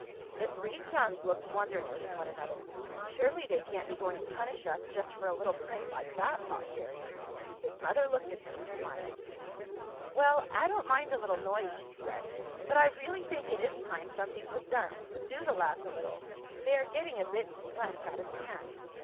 The three chums looked wonderingly at one another. "Surely they can't be going to punish us just for a little prank like that," thought Jerry. His mother looked at him and smiled. "Well, I don't mind a little noise," she said. "But I really think it is time something was done to subdue the lads a little. They are getting a bit too much out of hand."